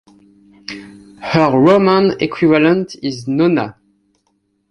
Her Roman equivalent is Nona.